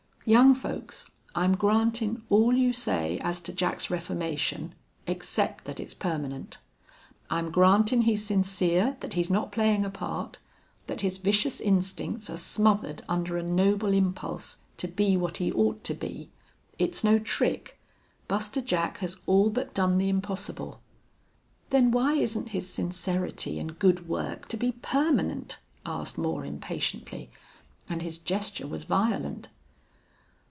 "Young folks, I'm grantin' all you say as to Jack's reformation, except that it's permanent. I'm grantin' he's sincere that he's not playin' a part that his vicious instincts are smothered under a noble impulse to be what he ought to be. It's no trick. Buster Jack has all but done the impossible." "Then why isn't his sincerity and good work to be permanent?" asked Moore, impatiently, and his gesture was violent.